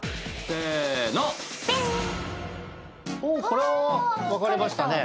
これは分かれましたね。